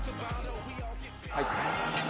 入っています。